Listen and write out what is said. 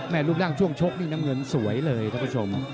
รูปร่างช่วงชกนี่น้ำเงินสวยเลยท่านผู้ชม